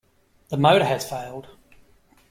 The motor has failed.